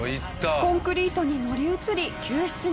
コンクリートに乗り移り救出に成功！